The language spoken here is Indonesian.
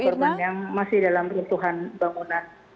korban korban yang masih dalam peruntuhan bangunan